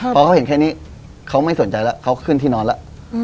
พอเขาเห็นแค่นี้เขาไม่สนใจแล้วเขาขึ้นที่นอนแล้ว